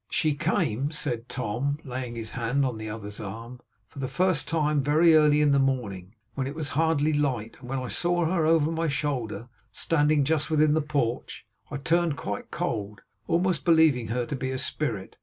'She came' said Tom, laying his hand upon the other's arm, 'for the first time very early in the morning, when it was hardly light; and when I saw her, over my shoulder, standing just within the porch, I turned quite cold, almost believing her to be a spirit.